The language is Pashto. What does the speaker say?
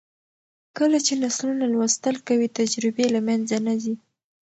کله چې نسلونه لوستل کوي، تجربې له منځه نه ځي.